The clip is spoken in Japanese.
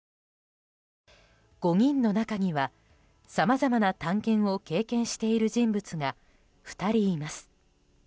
５人の中には、さまざまな探検を経験している人物が２人います。